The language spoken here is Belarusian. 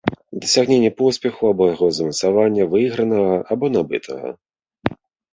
Дасягненне поспеху або яго замацавання, выйгранага або набытага.